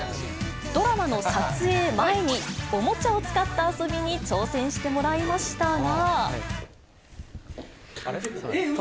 ドラマの撮影前に、おもちゃを使った遊びに挑戦してもらいましたが。